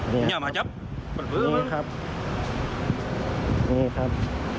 นี่ครับนี่ครับ